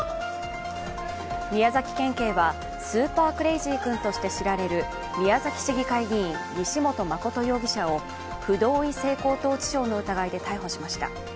宮崎県警はスーパークレイジー君として知られる宮崎市議会議員、西本誠容疑者を不同意性交等致傷の疑いで逮捕しました。